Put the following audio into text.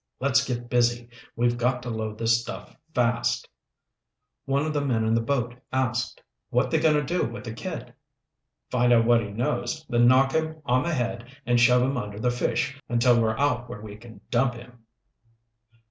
"Let's get busy. We've got to load this stuff fast." One of the men in the boat asked, "What they going to do with the kid?" "Find out what he knows, then knock him on the head and shove him under the fish until we're out where we can dump him."